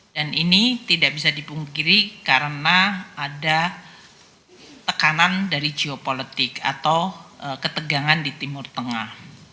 dan ini tidak bisa dipungkiri karena ada tekanan dari geopolitik atau ketegangan di timur tengah